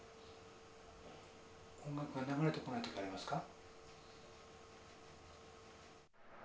音楽が流れてこない時ありますか？